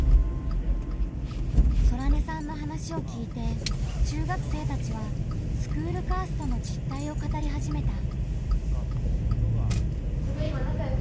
ソラネさんの話を聞いて中学生たちはスクールカーストの実態を語り始めた。